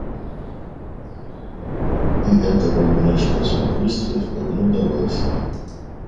И эта роль внешнего спокойствия вполне удавалась ей.